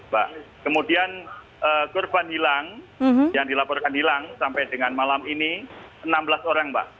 pak kemudian korban hilang yang dilaporkan hilang sampai dengan malam ini enam belas orang mbak